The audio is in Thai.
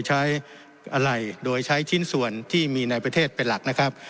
ใช้อะไรโดยใช้ชิ้นส่วนที่มีในประเทศเป็นหลักนะครับ